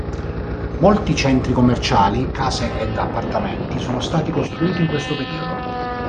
Molti centri commerciali, case ed appartamenti sono stati costruiti in questo periodo.